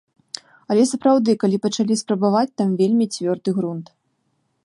Але сапраўды, калі пачалі спрабаваць, там вельмі цвёрды грунт.